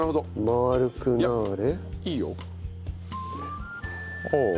丸くなーれ。